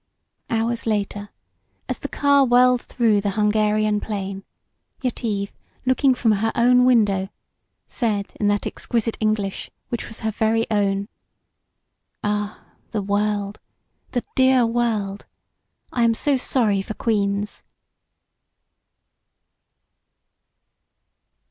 Hours later, as the car whirled through the Hungarian plain, Yetive, looking from her window, said in that exquisite English which was her very own: "Ah, the world, the dear world! I am so sorry for queens!"